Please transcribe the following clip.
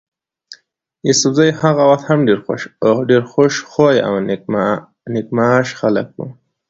يوسفزي هغه وخت هم ډېر خوش خویه او نېک معاش خلک ول.